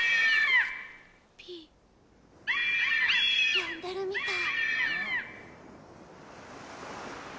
呼んでるみたい。